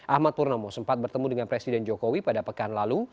ahmad purnomo sempat bertemu dengan presiden jokowi pada pekan lalu